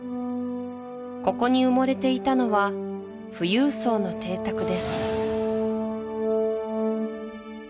ここに埋もれていたのは富裕層の邸宅です